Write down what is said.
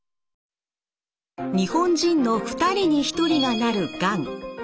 日本人の２人に１人がなるがん。